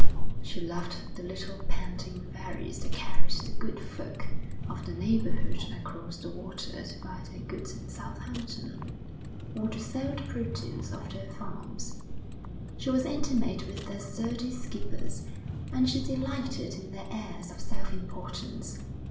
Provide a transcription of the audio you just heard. She loved the little panting ferries that carried the good folk of the neighbourhood across the water to buy their goods in Southampton, or to sell the produce of their farms; she was intimate with their sturdy skippers, and she delighted in their airs of self importance.